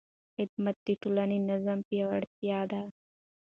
خدمت د ټولنیز نظم پیاوړتیا ده.